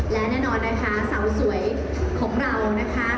และแน่นอนนะคะสาวสวยของเรานะคะ